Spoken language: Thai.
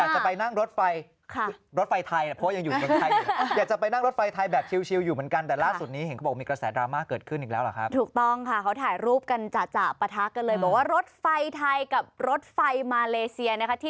จะพาไปดูเรื่องของรถไฟ